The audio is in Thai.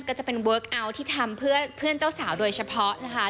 ก็จะเป็นเวิร์คเอาท์ที่ทำเพื่อนเจ้าสาวโดยเฉพาะนะคะ